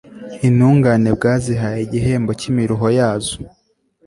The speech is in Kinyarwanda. intungane bwazihaye igihembo cy'imiruho yazo